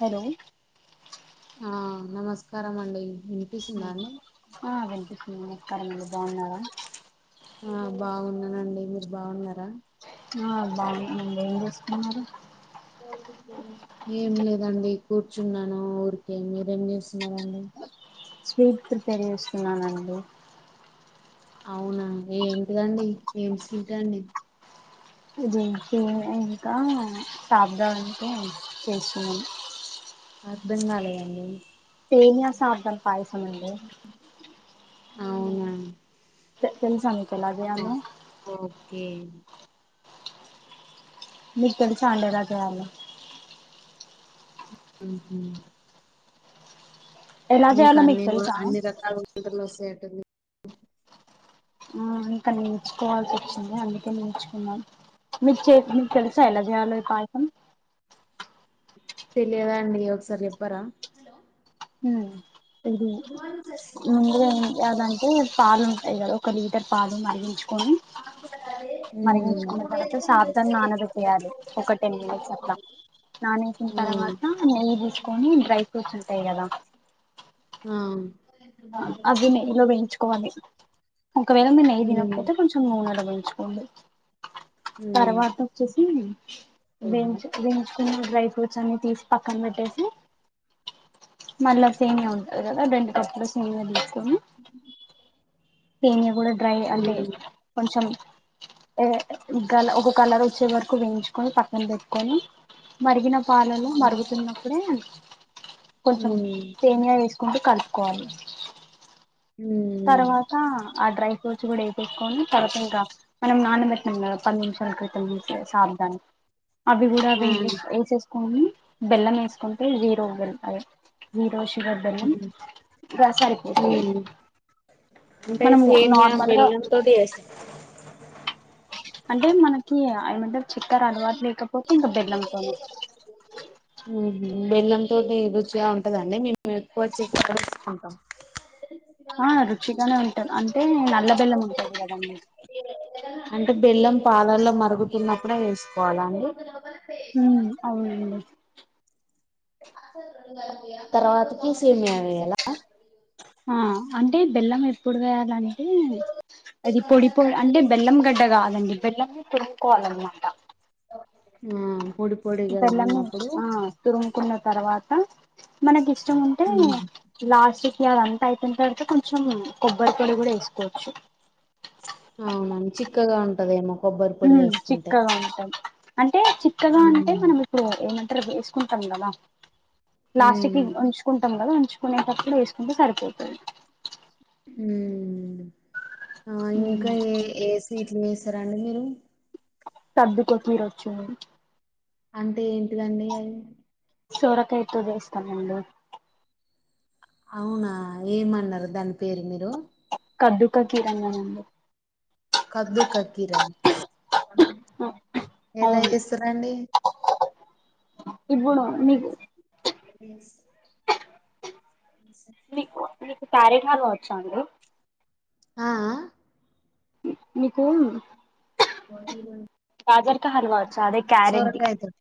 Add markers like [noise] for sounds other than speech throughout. Hello ఆ నమస్కారమండి ఆ వినిపిస్తుంది మి అక్కరన్నోళ్లు బావున్నారా ఆ బావున్నానండి. మీరు బావున్నారా? ఆ బావున్నానండి ఏం చేసుకున్నారు? ఏం లేదండి కూర్చున్నాను ఊరికే మీరేం చేస్తున్నారండి? స్వీట్ ప్రిపేర్ చేస్తున్నానండి. అవునా ఏంటిదండి ఏం స్వీట్ అండి? ఇది ఇన్ ఇంకా సాబ్దనికి చేస్తున్నాను అర్ధంగాలేదండి విన్యాసం అర్థం పయసముండ అవునా తె తెల్సా అనుకున్నాను నేను అ మీకు తెల్సా అండి ఎలా చేయాలో? ఉహు ఎలా మీకు చేయాలో అన్ని తెలుసా అన్ని రకాల వంటలు వస్తాయండి మీకు? ఆ ఇంకా నేర్చుకోవాల్సి వచ్చింది అందుకే నేర్చుకున్నాను మీకు చే తెలుసా ఎలా జేయాలో ఈ పాయసం? తెలియదా అండి ఒకసారి చెప్పారా? మ్ ఇది ముందుగా ఎ అదంటే పాలుం ఇద ఒక లీటర్ పాలు మరీగించుకో ఉమ్ మరిగించుకున్న తర్వాత సార్ధ నానలుపయాలి ఒక టెన్ మినిట్స్ అట్లా నాన వేసిన తర్వాత నెయ్యి తీసుకొని డ్రై ఫ్రూట్స్ ఉంటాయి కదా ఆ అది నెయ్యిలో వేయించుకోవాలి ఇంగ ఒకవేళ మీరు నెయ్యి ఉమ్ తినకపోతే కొంచెం నూనెలో వేయిం చాలి హ్మ్ తర్వాత వచ్చేసి ఏమో వేయించు వేయించు ఈ డ్రై ఫ్రూట్స్ అన్ని తీసి పక్కన పెట్టేసి మళ్ళా సేమ్యా ఉంటంది కదా రెండు కప్పులు సేమియా తిస్కొని [inaudible] సేమియా కూడా డ్రై అంటే హ్మ్ కొంచెం ఏ అంటే ఇంకాల ఒక కలర్ వచ్చే వరకు వేయించుకొని పక్కన పెట్టుకొని మరిగిన పాలలో హ్మ్ మరుగుతున్నప్పుడే కొంచెం సేమియా వేసు కుని కలుపుకోవాలి హ్మ్ హ్మ్. తర్వాత ఆ డ్రై ఫ్రూట్స్ కూడా వేసేసుకొని తర్వాత ఇంకా మనం నానబెట్నాం కదా పది నిమిషాల క్రితం చే సా అవి కూడా ఆ వేసేస్ ఏసేస్ కొని బెల్లం వేసుకుంటే జీరో అదే జీరో వర్ధనం హ్మ్ రసైపోతుంది హ్మ్. అంటే మనం సేమియా నార్మల్గా బెల్లం తోటి చేస్తాం అంటే మనకి ఏమంటరు చెక్కర అలవాటు లేకపోతే ఇంక బెల్లం తోనే ఊహూ బెల్లం తోటి రుచిగా ఉంటదండి మేము ఎక్కువ చెక్కర తీసుకుంటాం ఆ రుచిగానే ఉంటా అంటే నల్ల బెల్లం ఉంటుంది కదండి అంటే బెల్లం పాలల్లో మరుగుతున్నప్పుడే ఏసుకోవాలండి ఉ అవునండి తర్వాతకి సేమియా వేయాలా ఆ అంటే బెల్లం ఎప్పుడు వేయాలని అంటే అది పొడి పొ అంటే బెల్లం గడ్డ కాదండి బెల్లం పొడుపుకోవాలన్నమా ఉ బెల్లమ్మి ఆ తురుముకున్న తర్వాత మనకిష్ చంగుంటే హ్మ్ లాస్ట్ కి ఇ అవంతా అయిపోయిన తర్వాత కొంచెం కొబ్బరి పొడి కూడా వేసుకోవచ్చు అవునండి చిక్కగా ఉంటదేమో కొబ్బరి పొడి ఉమ్ వేసుకుంటే చిక్కగా ఉంటాం అంటే చిక్కగా అంటే ఉమ్ మనం ఇప్పుడు ఏమంటరు వేసుకుంటాం కదా లాస్టికి వంచుకుంటాం కదా వంచుకునేటప్పుడు వేసుకుంటే సరిపోతుంది ఊ ఇంకా ఏ ఏ స్వీట్లు చేస్తారండి మీరు సర్దుకో చీర వచ్చింది అంటే ఏంటిదండి అవి సోరకైతో చేస్తానండి అవునా ఏమన్నారు దాని పేరు మీరు కడ్డికకిర్ అన్నానండి కబ్దు కకీరా ఎలా అవును చేస్తారండి ఇబ్బుడా మిక్ స క్యారెట్ హల్వా వచ్చా అండి ఆ ఆ ని నీకుం బాజర్కా హల్వా వచ్చా అదే క్యారెట్ది సోరకాయతోటి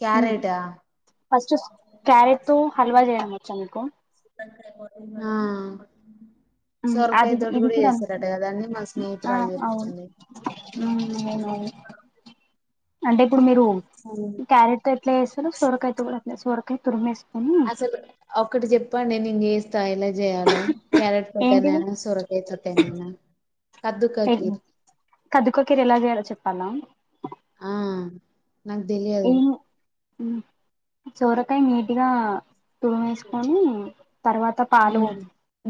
క్యారెటా ఫస్ట్ క్యారెట్ తో హల్వా చేయడం వచ్చా మీకు ఆ సొరకాయ అది తోటి ఇది కూడా చేస్తారట కదాని మా ఆ స్నేహితురాలు చెప్తుంది అవ్ను అంటే ఇప్పుడు మీరు క్యారెట్ తో ఎట్ల చేస్తరు సోరకాయ తో సొరకాయ తురుమే స్ అసలు ఒకటి చెప్పండి నేను చేస్తాయిలా చేయాలో క్యారట్ ఏంటిది తొట్టేనైన సొరకాయ తొట్టేనేనా కద్దుకాకిర్ కద్దుకోకిర్ ఎలా చేయాలో చెప్పాలా నాక్ తెలియదు ఏం సోరకాయ నీటిగా తుడు వేసుకొని తర్వాత పాలు ఉమ్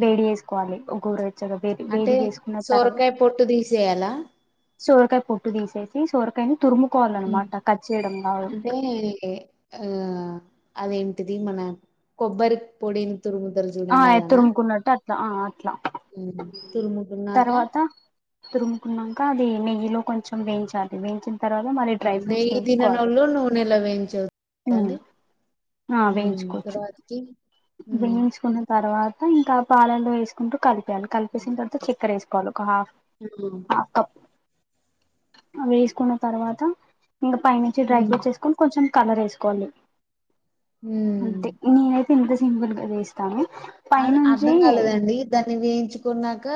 వేడి చేసుకోవాలి ఒకర చ్చగా వేడి అంటే వేడిగ వేసుకున్న తర్వా సొరకాయ పొట్టు తీసేయాలా సోరకాయ పొట్టు తీసేసి సోరకాయని ఉమ్ తురుముకోవాలన్నమాట కచ్చియడం కాలడం అంటే ఆ అదేంటిది మన కొబ్బరి పొడిని తురు ముదలు ఆ జూనాడాలనా తురుముకున్నట్టు అట్లా ఆ అట్లా తురుముకున్నాకా తురుముకున్నంక అది నెయ్యిలో కొంచెం వేయించాలి వేయించిన తర్వాత మరి ఆ డ్రై ఫ్రూట్స్ నెయ్యి వేంచుకోవాలి తిననోళ్ళు నూనెలో ఉ వేయించొద్దండి ఆ ఉమ్ వేయించుకోవచ్చు తర్వాతకి ఉమ్ వేయించుకున్న తర్ తర్వాత ఇంకా పాలల్లో వేసుకుంటూ కలిపి కలిపేసిన తర్వాత చక్కర వేసుకోవాలి ఒక హాఫ్ ఆ హాఫ్ కప్ అవి వేసుకున్న తర్వాత ఇంకా పైనుంచి డ్రై ఉమ్ ఫ్రూట్స్ వేసుకొని కొంచెం కలర్ వేసుకోవాలి హ్మ్ అంతే నేనైతే ఇంత సింపుల్గా వేస్తాను అ అర్ధం కాలేదండి దాన్ని వేయించుకున్నాక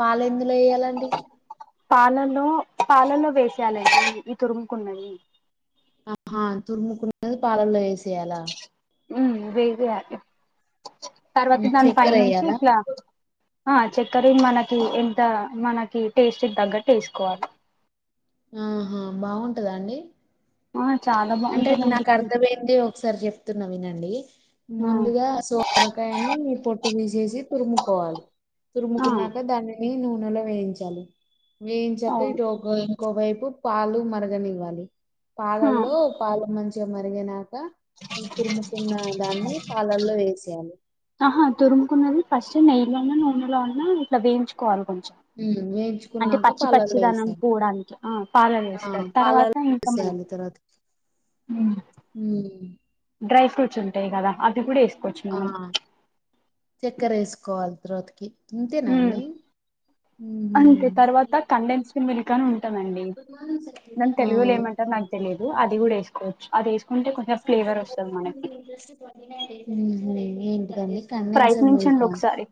పాల ఎందులో వేయ్యాలండి పాలల్లో పాలల్లో వేసెయాలండి ఈ తురుముకున్నవి ఆహా తురుముకున్నది పాలల్లో వేసేలా వేవేయాలి తర్వాత హ్మ్. దాని పై చక్కెర నుంచి ఎయ్యాలా? ఇట్లా ఆ చక్కర మనకి ఎంత మనకి టేస్ట్ తగ్గట్టు వేసుకోవాలి ఆహా బాగుంటద అండి ఆ చాలా అంటే బాగుంటదండి నాకు అర్థమైంది ఒకసారి చెప్తున్నా వినండి ఆ ముందుగా సోమరకాయ ని పొ సేసి తురుముకోవాలి ఆ తురుముకున్నాక దానిని నూనెలో వేయించాలి వేయించాక అవును ఇటు ఇంకోవైపు పాలు మరగనివ్వాలి ఆ పాలల్లో పాలు మంచిగా మరిగినాక ఈ తురుముకున్న దాన్ని పాలల్లో వేసేయాలి ఆహా తురుముకున్నది ఫస్ట్ నెయ్యలోన్న నూనెలో ఉన్నా ఇట్లా వేయించుకోవాలికుంట హ్మ్. అంటే వేయించుకున్నాక పచ్చి పాలల్లో పచ్చిదనం వేసేయాలి. పోవడానికి ఆ పాల వేస్తారు తర్వాత ఇంకా మనం ల తర్వాత ఉహు డ్రై ఫ్రూట్స్ ఉంటయి కదా అది కూడా ఏస్ ఆ చక్కర వేసుకోవాలి తరువాతికి ఇంతేనా ఉమ్ అండి అంతే హుహు. తర్వాత కండెన్సేడ్ మిల్క్ అని ఉంటాదండి దన్ని ఆ తెలుగులో ఏమంటరు నాకు తెలియదు అది కూడా ఏస్ మనకి ఉహు ఏంటి కా కన్నం సార్ ప్రయత్నించండి మిల్కా ఒకసారి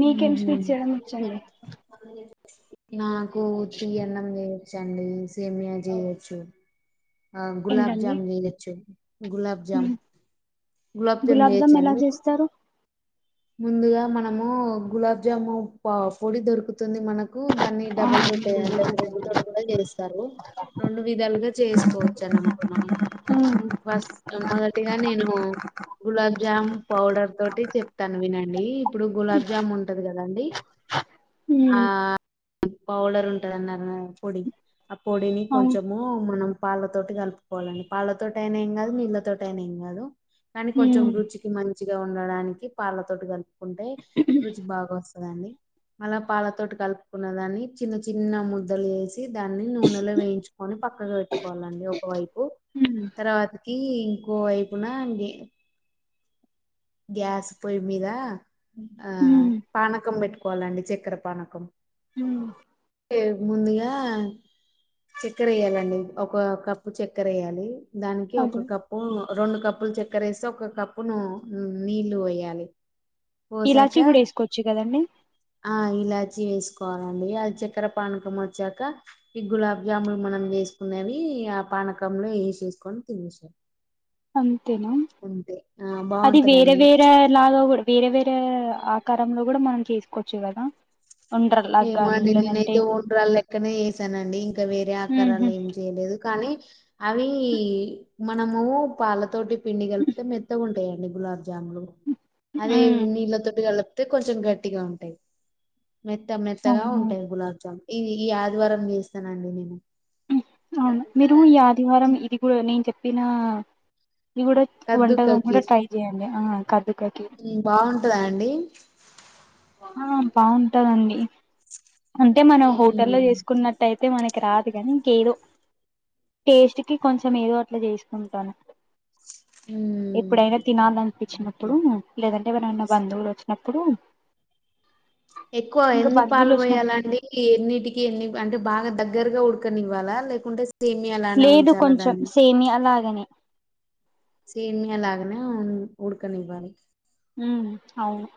మీకేం ఉహు స్వీట్ చేయడం వచ్చండి నాకు ఉత్తి ఎన్నం చేయొచ్చండి సేమియా చేయొచ్చు ఆ గులాబ్ ఏంటండి జామ్ లేదచ్చు గులాబ్ జమ్ గులాబ్ జామ్ ఎలా చేస్తారు ముందుగా మనము గులాబ్జాము పా పొడి దొరుకుతుంది మనకు దాన్ని ఆ డబుల్ రొటే అంటే బ్రెడ్ తోటి కూడా చేస్తారు రెండు విధాలుగా చేసుకోవచ్చు ఉమ్ మొదటిగా నేను గులా జామ్ పౌడర్ తోటి చెప్తాను వినండి ఇప్పుడు గులాబ్ జామ్ ఉంటది కదండి ఆ ఉమ్ పౌడర్ ఉంటదన్నారు గదా పొడి ఆ పొడిని అవును కొంచము మనం పాళ్ళతోటి కలుపుకోవాలండి పాళ్ళతోటియినా ఏం కాదు నీళ్ళతోటి అయినేం కాదు కానీ కొంచం ఉమ్ రుచికి మంచిగా ఉండడానికి పాలతోటి కలుపుకుంటే రుచి బాగా వస్ దండి మళ్ళ పాలతోటి కలుపుకున్నాదాన్ని చిన్న చిన్న ముద్దల్ చెసి సి దాన్ని నూనెలో వేయించుకొని పక్కక్ పెట్టుకోవాలండి ఒకవైపు ఉమ్ తర్వాతకి ఇంకో వైపున గ్యాస్ పోయి మీదా ఆ ఉమ్ పానకం పెట్టుకోవాలండి చక్కెర పానకం ఉమ్ ఏ ముందుగా చక్కెర ఎయాలండి ఒక కప్పు చక్కెరెయ్యలి దానికి ఒక అదే కప్పు రెండు కప్పులు చెక్కరేస్తె ఒక కప్పు ను ఉమ్ నీళ్లు పోయాలి పోసాక ఇలాచి కూడా వేసుకోవచ్చు కదండి ఆ ఇలా చ్చి వేసుకోవాలండి అది చక్కర పానుకం వచ్చాక ఈ గులాబ్ జామున్ మనం చేేసుకున్నవి ఇగ ఆ పానకంలో ఎషెస్కొని తినెషె అంతేనా ఆ అది వేరే బాగుంటదండి వేరే లాగా కూడా వేరే వేరే అంటే ఆకారంలో కూడా మనం చేసుకోవచ్చు కదా ఉండర్లాగా ఏమ గాని అండి లేదంటే నేనైతే ఒండ్రాలెక్కనే చేసానండి ఇంకా వేరే ఉహు ఆకారాలు ఏం చేయలేదు కానీ అవి మనము పాలతోటి పిండి కలిపితే మెత్తగా ఉంటాయండి గులాబ్జ జాములు అదే ఉమ్ నీళ్ళతోటి కలపితే కొంచెం గట్టిగా ఉంటాయి మ త్త మెత్తగా అవునా ఉంటాయి గులాబ్ జామ్ ఇ ఈ ఆదివారం చేస్తానండి నేను అవును మీరు ఈ ఆదివారం ఇది కూడా నేను చెప్పిన ఇది కూడా కద్దు కా వంటకం కూడా ఖీర్ ట్రై చెయండి ఆ కర్దుకకి హ్మ్ బావుంటదా అండి? ఆ బాగుంటందండి అంటే మనం హోటల్లో హ్మ్. చేసుకున్నట్టయితే మనకి రాదు కని ఇంకేదో టేస్ట్ కి కొంచెం ఏదో అట్లా చేసుకుంటాను హ్మ్. ఎప్పుడైనా ఓకే. తినాలనిపించినప్పుడు లేదన్ ఎవరన్నా బంధువులచ్చినప్పుడు ఎక్కువ ఎన్ని పాలు వచ్చినప్పుడు పోయాలండి ఎన్నిటికి ఎన్ని అంటే బాగా దగ్గరగా ఉడకనివ్వాలా లేకుంటే సేమియాలానే లేదు ఉంచాలా కొంచెం దాన్ని సేమియా అలాగనే సేమీయాలాగనే వు ఉడుకనివ్వాలి ఉమ్ అవును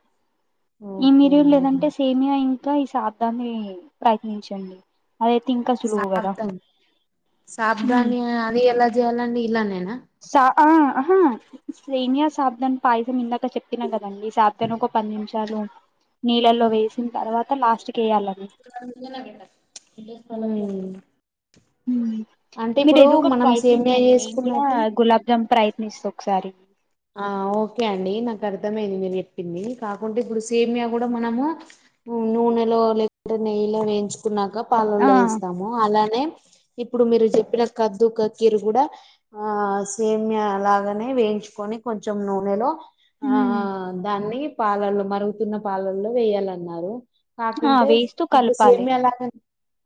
ఈ ఓకే మిరి అండి లేదంటే సేమియా కా ఈ శాతాన్ని ప్రయత్నించండి అదైతే ఇంకా సులువు కదా సాబ్ధాన్ ఉమ్ సాబ్ధాని అది ఎలా జయాలండి ఇల నేన సా అ ఆహా సేమ్యా సాబ్దన్ పాయసం ఇందాక చెప్పిన కదండి సాబ్దాని ఒక పది నిమిషాలు నీళ్ళల్లో వేసిన తర్వాత లాస్ట్ కి వేయాలని ఇరవై ఐదు వందల్ [unintelligible] మీదేదో ఒక మనం సేమియా ప్రయత్నించండి నేను కూడా చేసుకున్నట్టే గులాబ్ జామ్ ప్రయత్నిస్త ఒక్సారి ఆ ఓకే అండి నాకు అర్థమైంది మీరు చెప్పింది కాకుంటే ఇప్పుడు సేమియా కుడ మనము ఉ నూనెలో లేకుంటే నెయ్యిలో వేయించుకున్నాక ఆ పాలల్లో ఏస్తాము అలానే ఇప్పుడు మీరు చెప్పిన కద్దుకక్కీరు గుడ ఆ సేమ్య లాగనే వేయించుకొని కొంచెం నూనెలో ఆ ఉమ్ దాన్ని పాలలో మరుగుతున్న పాలల్లో వేయాలన్నారు ఆ కాకుంటే వేస్తూ ఇప్పుడు కలపాలి సేమ్యా లాగనె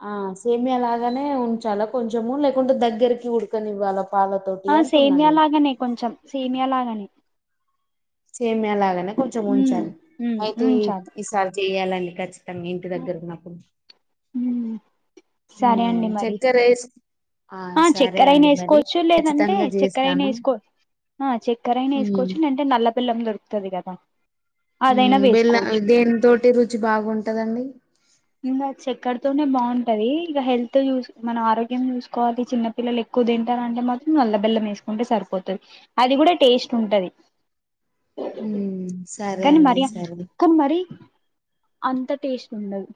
ఆ సేమ్యా లాగానే ఉంచాల కొంచెము లేకుంటే దగ్గరికి ఉడకనివ్వాల పాలతోటి ఆ అంటున్నా సేమియా నేను లాగానే కొంచెం సేమియా లాగానే సేమ్యా లాగానే కొంచెం హ్మ్ ఉంచాలి హ్మ్ అయితే హ్మ్ ఈ చాలు ఈసారి చెయాలని ఖచ్ ఇంటి దగ్గర ఉన్నప్పుడు హ్మ్ సరే అండి మరి చెక్క రైస్ ఆ చక్కెర అయినా ఏసుకోవచ్చు లేదంటే ఖచ్చితంగా చక్కెర అయినా చేస్తాను ఎసుకో ఆ చక్కెర అయినా ఉమ్, ఏసుకోవచ్చు నంటే నల్ల బెల్లం దొరుకుతది గదా ఉ బెళ్ళ దేని తోటి రుచి బాగుంటదండి ఇంగ చెక్కరతోనే బాగుంటది ఇగ హెల్త్ చూ మన ఆరోగ్యం జుసుకోవాలి చిన్న పిల్లలు ఎక్కువ దిం రాంటే మాత్రం నల్ల బెల్లం వేసుకుంటే సరిపోతది అది కూడా టేస్ట్ ఉంటది ఉమ్, సరే కనీ అండి మరి సరే కని మరి అంత టేస్ట్ ఉండదు